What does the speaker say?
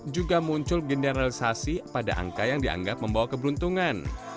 juga muncul generalisasi pada angka yang dianggap membawa keberuntungan